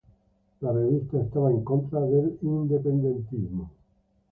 La revista estaba en contra del independentismo.